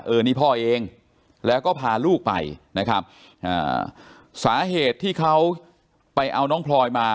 เออนี่พ่อเองแล้วก็พาลูกไปนะครับอ่าสาเหตุที่เขาไปเอาน้องพลอยมา